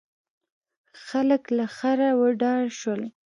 خلک له خره وډار شول.